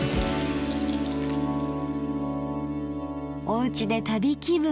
おうちで旅気分。